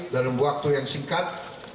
dalam waktu yang singkat